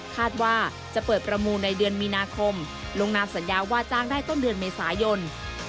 คาดว่าจะเปิดประมูลในเดือนมีนาคมลงนามสัญญาว่าจ้างได้ต้นเดือนเมษายน